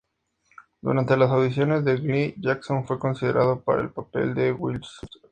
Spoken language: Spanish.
Durante las audiciones de "Glee", Jackson fue considerado para el papel de Will Schuester.